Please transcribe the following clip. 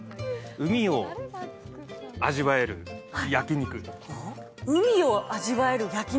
海を味わえる焼き肉？